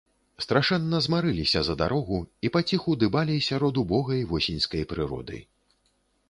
Страшэнна змарыліся за дарогу і паціху дыбалі сярод убогай восеньскай прыроды.